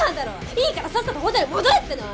いいからさっさとホテル戻れっての！